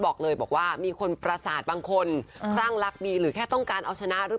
บอกเลยว่ามีคนประสาทบางคนร่างลักมีหรือแค่ต้องการจะเอาชนะรึ